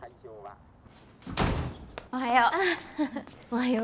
おはよう。